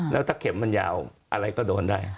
แล้วถ้าเข็มมันยาวอะไรก็โดนได้